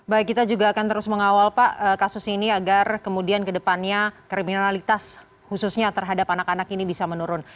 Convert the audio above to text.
baik kita juga akan terus mengawal pak kasus ini agar kemudian ke depannya kriminalitas khususnya terhadap anak anak ini bisa menurun